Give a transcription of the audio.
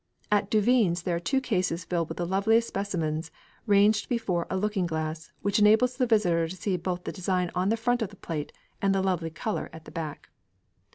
At Duveen's there are two cases filled with the loveliest specimens ranged before a looking glass, which enables the visitor to see both the design on the front of the plate and the lovely colour at the back.